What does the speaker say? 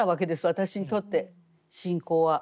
私にとって信仰は。